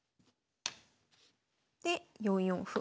で４四歩。